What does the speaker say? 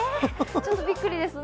ちょっとびっくりですね。